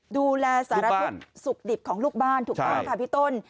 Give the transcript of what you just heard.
ดูแลสารทุกข์สุขดิบของลูกบ้านถูกต้องค่ะพี่ต้น